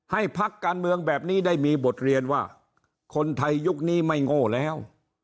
พักการเมืองแบบนี้ได้มีบทเรียนว่าคนไทยยุคนี้ไม่โง่แล้ว